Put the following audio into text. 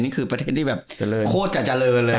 นี่คือประเทศที่แบบโคตรจะเจริญเลย